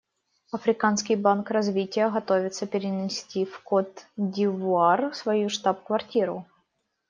Африканский банк развития готовится перенести в Кот-д'Ивуар свою штаб-квартиру.